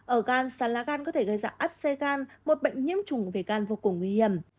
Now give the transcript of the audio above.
ở gan sán lá gan có thể gây ra áp xe gan một bệnh nhiễm trùng về gan vô cùng nguy hiểm